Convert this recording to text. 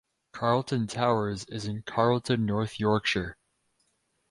Carlton Towers is in Carlton, North Yorkshire.